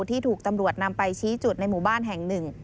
ที่ถูกตำรวจนำไปชี้จุดในหมู่บ้านแห่งหนึ่ง